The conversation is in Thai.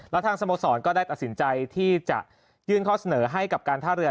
และทางสโมสรก็ได้ตัดสินใจที่จะยื่นข้อเสนอให้กับการท่าเรือ